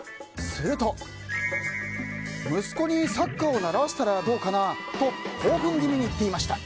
すると、息子にサッカーを習わせたらどうかなと興奮気味に言っていました。